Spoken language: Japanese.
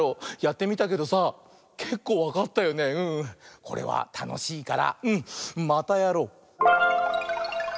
これはたのしいからうんまたやろう！